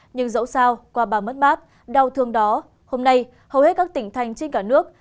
nhưng dẫu sao qua bao mất mát đau thương đó hôm nay hầu hết các tỉnh thành trên cả nước